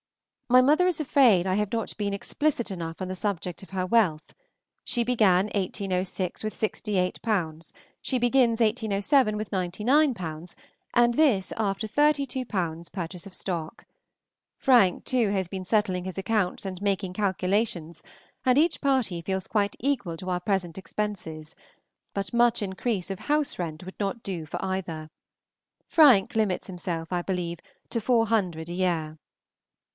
My mother is afraid I have not been explicit enough on the subject of her wealth; she began 1806 with 68_l._ she begins 1807 with 99_l._, and this after 32_l._ purchase of stock. Frank too has been settling his accounts and making calculations, and each party feels quite equal to our present expenses; but much increase of house rent would not do for either. Frank limits himself, I believe, to four hundred a year.